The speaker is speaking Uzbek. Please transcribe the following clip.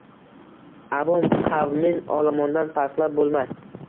Аvom qavmin olomondan farqlab boʼlmas